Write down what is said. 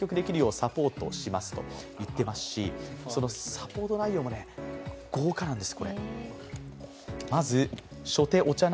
サポート内容も豪華なんです。